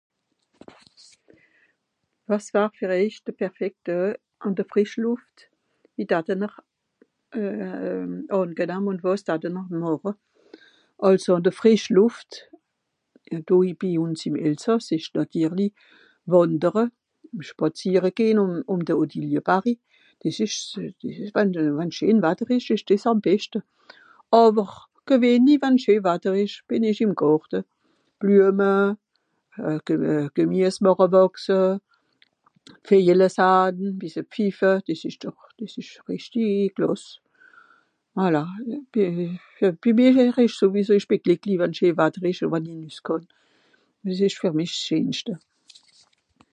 Quel serait le jour parfait au grand air En fait , au grand air, vquand il fait beau faire une ballade autour de mont St Odile, c'est ce qu'il y a mieux mais en fait quand il fait beau j'aime beaucoup être au jardin, faire pousser des légumes écouter les oiseaux C'est ça le plus beau pour moi